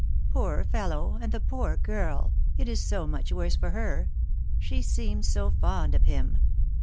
"Poor fellow! And the poor girl; it is so much worse for her. She seems so fond of him.